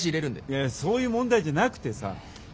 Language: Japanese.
いやそういう問題じゃなくてさ。